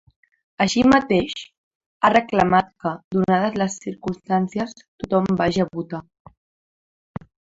Així mateix, ha reclamat que, donades les circumstàncies, tothom vagi a votar.